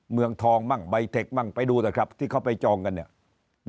เมืองทองมั่งใบเทคมั่งไปดูเถอะครับที่เขาไปจองกันเนี่ย